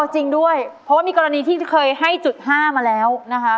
จริงด้วยเพราะว่ามีกรณีที่เคยให้จุด๕มาแล้วนะคะ